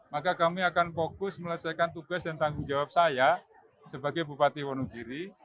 maka kami akan fokus melesaikan tugas dan tanggung jawab saya sebagai bupati wonogiri